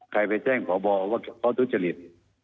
ใครไปแจ้งขอบอกว่าเขาตุ๊กจริต